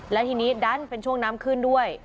และทีนี้ดันเป็นช่วงน้ำขึ้นด้วย